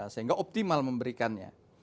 sehingga optimal memberikannya